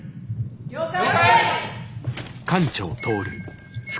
了解！